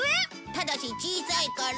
ただし小さいから